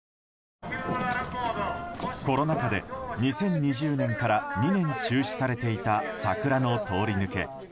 コロナ禍で２０２０年から２年中止されていた桜の通り抜け。